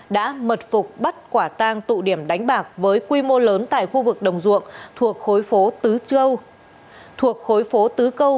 đã mật phục bắt quả tang tụ điểm đánh bạc với quy mô lớn tại khu vực đồng ruộng thuộc khối phố tứ câu